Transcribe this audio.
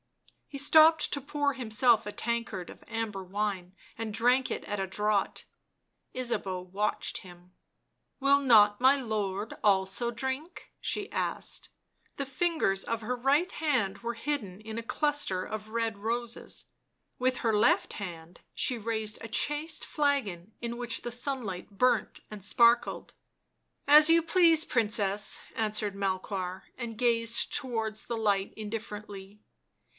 He stopped to pour himself a tankard of amber wine and drank it at a draught. Ysabeau watched him. " Will not my lord also drink V 7 she asked ; the fingers of her right hand were hidden in a cluster of red roses, with her left she raised a chased flagon in which the sunlight burnt and sparkled. " As you please, Princess," answered Melchoir, and gazed towards the light indifferently.